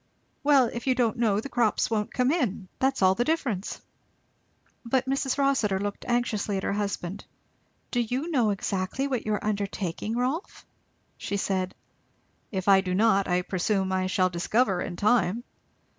Well, if you don't know, the crops won't come in that's all the difference." But Mrs. Rossitur looked anxiously at her husband. "Do you know exactly what you are undertaking, Rolf?" she said. "If I do not, I presume I shall discover in time."